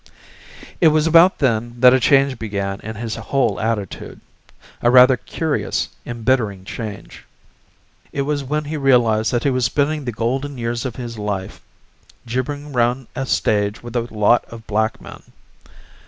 It was about then that a change began in his whole attitude, a rather curious, embittering change. It was when he realized that he was spending the golden years of his life gibbering round a stage with a lot of black men.